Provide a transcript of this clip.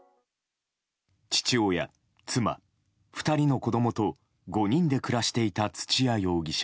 父親、妻、２人の子供と５人で暮らしていた土屋容疑者。